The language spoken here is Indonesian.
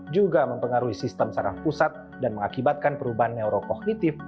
juga mempengaruhi sistem saraf pusat dan mengakibatkan perubahan neurokognitif